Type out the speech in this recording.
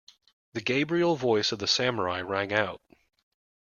The Gabriel voice of the Samurai rang out.